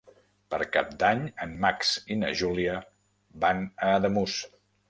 Per Cap d'Any en Max i na Júlia van a Ademús.